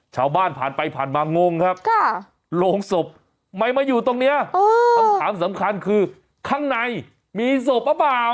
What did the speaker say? ชาวบ้านผ่านไปผ่านมางงครับโรงศพไม่มาอยู่ตรงนี้คำถามสำคัญคือข้างในมีศพหรือเปล่า